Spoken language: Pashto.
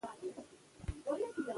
اوښ د افغانستان د بڼوالۍ برخه ده.